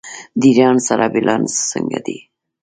د ایران سره بیلانس څنګه دی؟